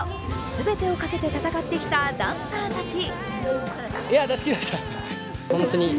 全てをかけて戦ってきたダンサーたち。